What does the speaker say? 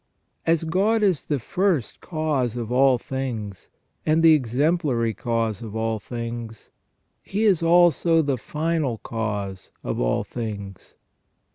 As God is the First Cause of all things and the Exemplary Cause of all things, He is also the Final Cause of all things.